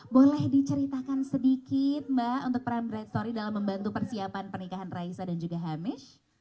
boleh diceritakan sedikit mbak untuk peran bright story dalam membantu persiapan pernikahan raisa dan juga hamish